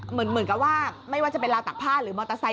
เหมือนกับว่าไม่ว่าจะเป็นราวตักผ้าหรือมอเตอร์ไซค